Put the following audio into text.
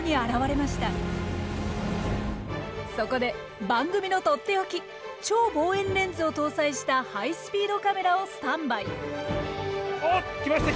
そこで番組のとっておき超望遠レンズを搭載したハイスピードカメラをスタンバイ。